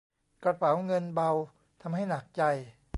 กระเป๋าเงินเบาทำให้หนักใจ